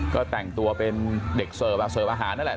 ก็แต่งตัวเป็นเด็กเสิร์ฟเสิร์ฟอาหารนั่นแหละ